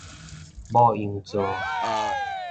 牡羊座